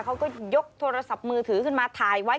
เขาก็ยกโทรศัพท์มือถือขึ้นมาถ่ายไว้